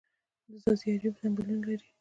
د ځاځي اریوب ځنګلونه لري